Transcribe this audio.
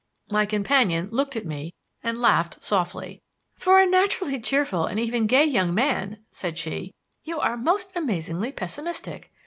My companion looked at me and laughed softly. "For a naturally cheerful, and even gay young man," said she, "you are most amazingly pessimistic.